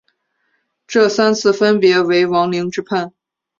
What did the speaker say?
这三次分别为王凌之叛。